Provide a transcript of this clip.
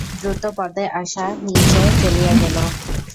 দ্রুতপদে আশা নীচে চলিয়া গেল।